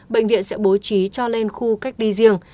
bệnh viện sẽ bố trí cho lên khu cách ly riêng